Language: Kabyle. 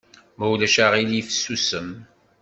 Ma ulac aɣilif susem!